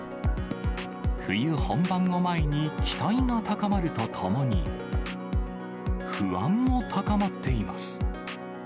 冬本番を前に期待が高まるとともに、不安も高まっています。